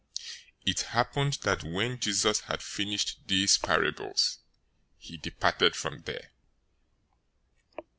013:053 It happened that when Jesus had finished these parables, he departed from there.